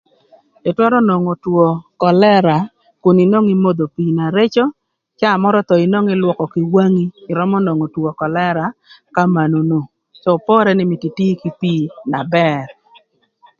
Ëtwërö nwongo two kölëra nakun nwongo imodho pii na reco caa mörö thon nwongo ïlwökö kï wangi ïrömö nwongo two kölëra kamanunu. Cë pore nï mïtö itii kï pii na bër